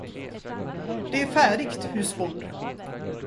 Det är färdigt, husbond.